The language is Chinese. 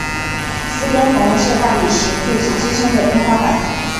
四根粉红色大理石柱子支持着天花板。